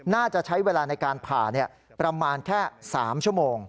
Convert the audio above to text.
น่าจะใช้เวลาในการผ่าประมาณแค่๓ชั่วโมง